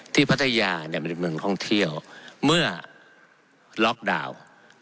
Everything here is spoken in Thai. พัทยาเนี่ยมันเป็นเมืองท่องเที่ยวเมื่อล็อกดาวน์